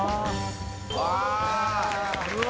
うわ！